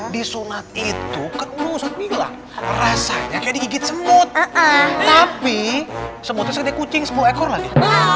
disunat itu rasanya kayak digigit semut tapi semutnya sekitarnya kucing sepuluh ekor lagi